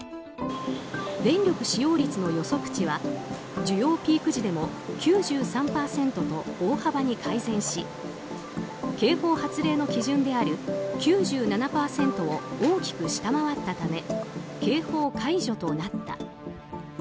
電力使用率の予測値は需要ピーク時でも９３％と大幅に改善し警報発令の基準である９７％を大きく下回ったため警報解除となった。